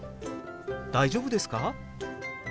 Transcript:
「大丈夫ですか？」。